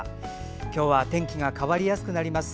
今日は天気が変わりやすくなります。